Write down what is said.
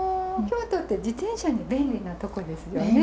京都って自転車に便利なとこですよね。